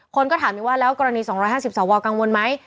คนก็ถามอีกว่าแล้วกรณี๒๕๐สวกังวลไหม